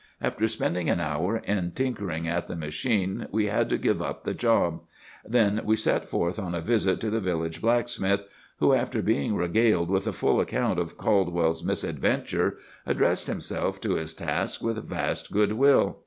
After spending an hour in tinkering at the machine we had to give up the job. Then we set forth on a visit to the village blacksmith who, after being regaled with a full account of Caldwell's misadventure, addressed himself to his task with vast good will.